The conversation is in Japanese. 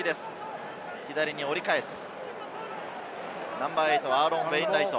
ナンバー８はアーロン・ウェインライト。